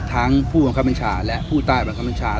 ทั้งผู้บังคับมันชาติและผู้ตายบังคับมันชาติ